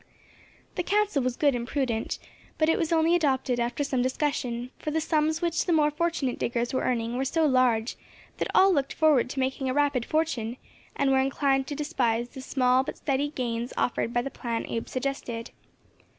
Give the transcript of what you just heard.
The counsel was good and prudent, but it was only adopted after some discussion, for the sums which the more fortunate diggers were earning were so large that all looked forward to making a rapid fortune, and were inclined to despise the small but steady gains offered by the plan Abe suggested.